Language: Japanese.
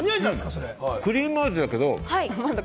クリーム味だけれども。